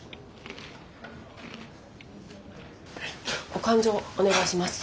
お勘定お願いします。